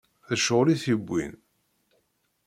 D ccɣel i t-yewwin.